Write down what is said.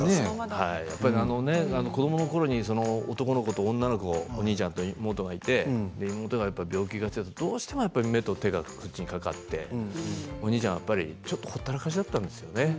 子どものころに男の子と女の子お兄ちゃんと妹がいて妹が病気がちだと、どうしても目と手がかかってお兄ちゃんはやっぱりほったらかしだったんですよね。